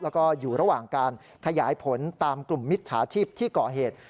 แล้วก็อยู่ระหว่างการขยายผลตามกลุ่มมิจฉาชีพที่ก่อเหตุ